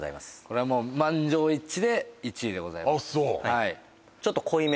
これはもう満場一致で１位でございますあっそう？